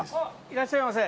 いらっしゃいませ！